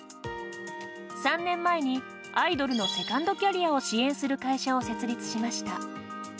３年前にアイドルのセカンドキャリアを支援する会社を設立しました。